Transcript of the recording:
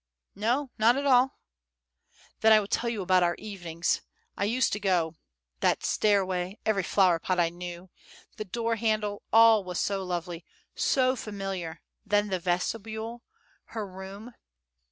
"No, not at all." "Then I will tell you about our evenings. I used to go that stairway, every flower pot I knew, the door handle, all was so lovely, so familiar; then the vestibule, her room.